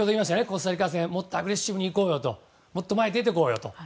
コスタリカ戦もっとアグレッシブにいこうよともっと前に出ていこうよと。